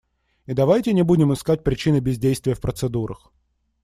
И давайте не будем искать причины бездействия в процедурах.